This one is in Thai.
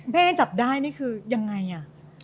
แม่จับได้คือยังไงอะ